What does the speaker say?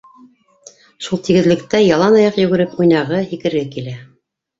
Шул тигеҙлектә ялан аяҡ йүгереп уйнағы, һикерге килә.